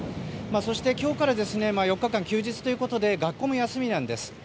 そして、今日から４日間休日ということで学校も休みなんです。